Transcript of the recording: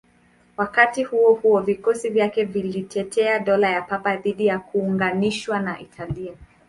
Wakati huo huo, vikosi vyake vilitetea Dola la Papa dhidi ya kuunganishwa na Italia.